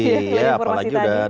makin lapar tadi ya informasi tadi